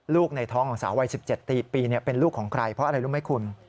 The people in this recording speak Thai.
ในท้องของสาววัย๑๗ปีปีเป็นลูกของใครเพราะอะไรรู้ไหมคุณ